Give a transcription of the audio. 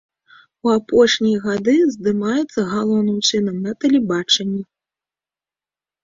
У апошнія гады здымаецца галоўным чынам на тэлебачанні.